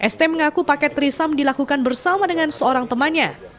st mengaku paket trisam dilakukan bersama dengan seorang temannya